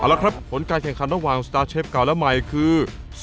แล้วครับผลการแข่งขันระหว่างสตาร์เชฟเก่าและใหม่คือ